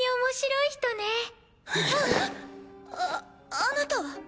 ああなたは？